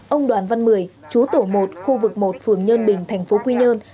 ông đoàn văn mười chú tổ một khu vực một phường nhân bình thành phố quy nhơn